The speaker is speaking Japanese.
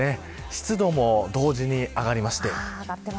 湿度も同時に上がりまして。